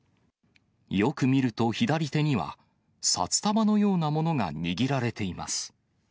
よく見ると、左手には札束のようなものが握られています。